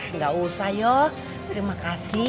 enggak usah yuk